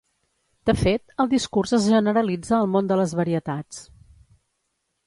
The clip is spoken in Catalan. De fet, el discurs es generalitza al món de les varietats.